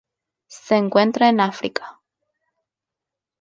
Se encuentra en África.